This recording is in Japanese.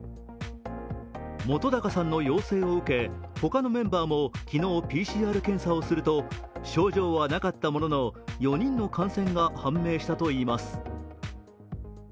本高さんの陽性を受け他のメンバーも昨日、ＰＣＲ検査をすると、症状はなかったものの４人の感染が判明したといいます。